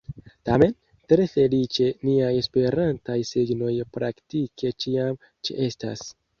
Tamen, tre feliĉe niaj esperantaj signoj praktike ĉiam ĉeestas.